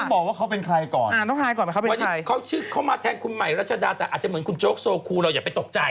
บอกว่าเขาเป็นใครก่อนไหมครับวันนี้เขาชื่อเขามาแทนคุณใหม่รัชดาแต่อาจจะเหมือนคุณโจ๊กโซคูเราอย่าไปตกใจ